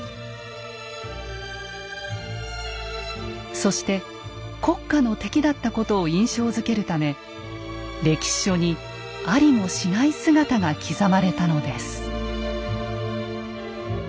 そして「国家の敵」だったことを印象づけるため歴史書にありもしない姿が刻まれたのです。